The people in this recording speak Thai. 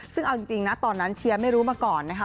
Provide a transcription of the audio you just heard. ซึ่งเอาจริงนะตอนนั้นเชียร์ไม่รู้มาก่อนนะคะ